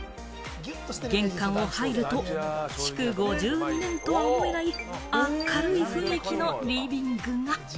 玄関を入ると築５２年とは思えない、明るい雰囲気のリビングが。